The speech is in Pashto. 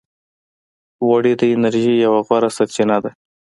غوړې د انرژۍ یوه غوره سرچینه ده.